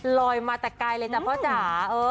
ลอยมาแต่ไกลเลยจ้ะพ่อจ๋า